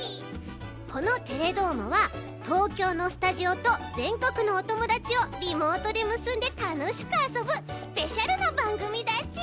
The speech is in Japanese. この「テレどーも！」は東京のスタジオとぜんこくのおともだちをリモートでむすんでたのしくあそぶスペシャルなばんぐみだち！